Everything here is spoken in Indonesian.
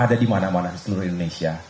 ada di mana mana di seluruh indonesia